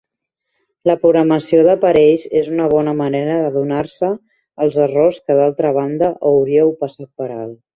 La programació de parells és una bona manera d'adonar-se els errors que d'altra banda hauríeu passat per alt.